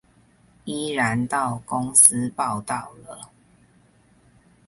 依然到公司報到了